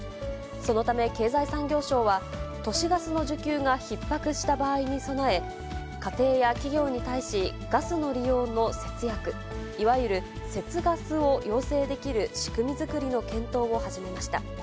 そのため経済産業省は、都市ガスの需給がひっ迫した場合に備え、家庭や企業に対し、ガスの利用の節約、いわゆる節ガスを要請できる仕組み作りの検討を始めました。